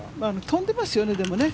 飛んでますよね、でもね。